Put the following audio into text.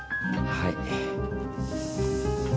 はい。